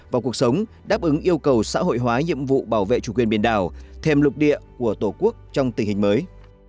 vào cuộc sống đáp ứng yêu cầu xã hội hóa nhiệm vụ bảo vệ chủ quyền biển đảo thêm lục địa của tổ quốc trong tình hình mới